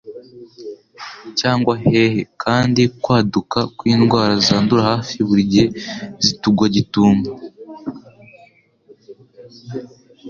cyangwa hehe, kandi kwaduka kw'indwara zandura hafi buri gihe zitugwa gitumo.